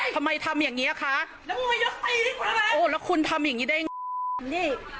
ทำไมทำอย่างเงี้ยคะแล้วคุณทำอย่างงี้ได้ไง